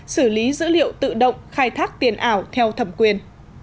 xử lý dữ liệu tự động khai thác tiền ảo theo thẩm quyền